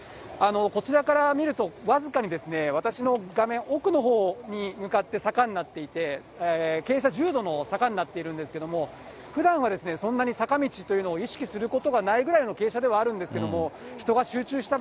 こちらから見ると、僅かに私の画面奥のほうに向かって坂になっていて、傾斜１０度の坂になっているんですけれども、ふだんはそんなに坂道というのを意識することがないぐらいの傾斜ではあるんですけれども、人が集中した